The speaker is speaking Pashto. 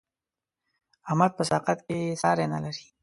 احمد په صداقت کې ساری نه لري.